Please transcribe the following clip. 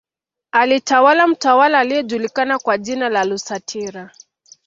Alitawala mtawala aliyejuliakana kwa jina la Rusatira